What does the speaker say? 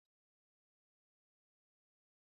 Chakula ki mezani.